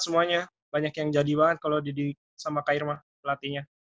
semuanya banyak yang jadi banget kalau didikat sama kak irma pelatihnya